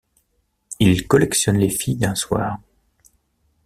Il collectionne les filles d'un soir.